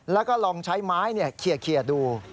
แล้วก็ลองใช้ไม้เนี่ยเคลียดดู